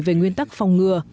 về nguyên tắc phòng ngừa